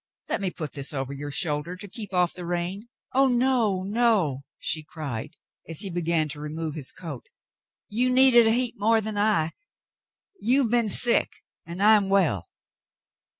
Let me put this over your shoulders to keep off the rain." "Oh, no, no !" she cried, as he began to remove his coat. "You need it a heap more than I. You have been sick, and I am well.'